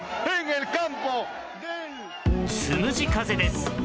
つむじ風です。